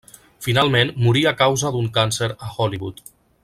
Finalment morí a causa d'un càncer a Hollywood.